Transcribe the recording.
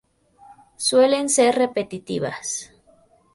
Suelen ser repetitivas.